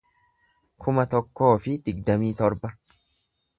kuma tokkoo fi digdamii torba